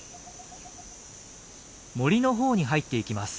森のほうに入っていきます。